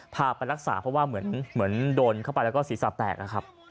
พาไปรักษาเพราะว่าเหมือนโดนเข้าไปแล้วก็ศีรษะแตกนะครับ